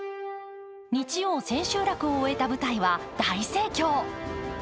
日曜、千秋楽を終えた舞台は大盛況